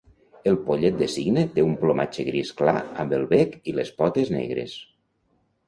El pollet de cigne té un plomatge gris clar amb el bec i les potes negres.